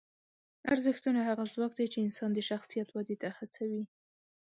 ارزښتونه هغه ځواک دی چې انسان د شخصیت ودې ته هڅوي.